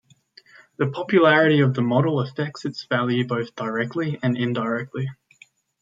The popularity of the model affects its value both directly and indirectly.